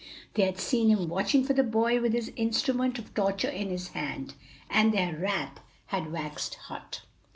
They had seen him watching for the boy with his instrument of torture in his hand, and their wrath had waxed hot.